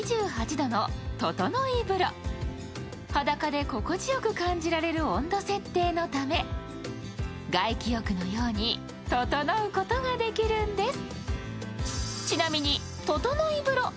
裸で心地よく感じられる温度設定のため外気浴のようにととのうことができるんです。